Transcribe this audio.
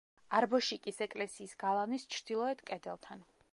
არბოშიკის ეკლესიის გალავნის ჩრდილოეთ კედელთან.